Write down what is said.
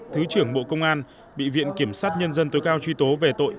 thứ trưởng bộ công an bị viện kiểm sát nhân dân tối cao truy tố về tội